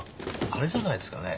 あれじゃないですかね。